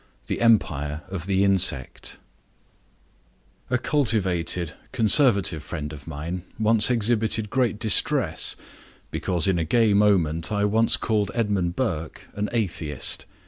THE EMPIRE OF THE INSECT A cultivated Conservative friend of mine once exhibited great distress because in a gay moment I once called Edmund Burke an atheist.